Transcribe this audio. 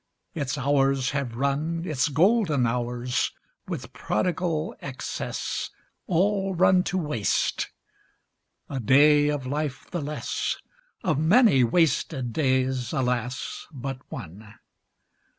Its hours have run, Its golden hours, with prodigal excess, All run to waste. A day of life the less; Of many wasted days, alas, but one!